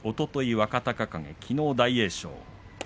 若隆景、きのう大栄翔